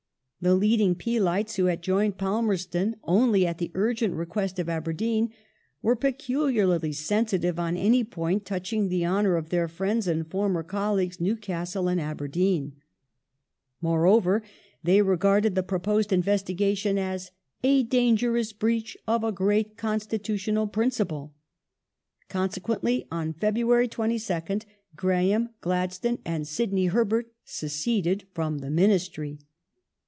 The leading Peelites, who had joined Palmerston only at the urgent request of Aberdeen, were peculiarly sensitive on any point touching the honour of their friends and former colleagues, Newcastle and Aberdeen. Moreover, they regarded the proposed investigation as " a dangerous breach of a great constitutional principle". Consequently on February 22nd, Graham, Gladstone, and Sidney Herbert seceded from the Ministry.